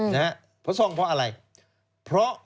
นะฮะเพราะซ่องเพราะอะไรเพราะ